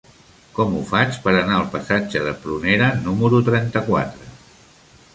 Com ho faig per anar al passatge de Prunera número trenta-quatre?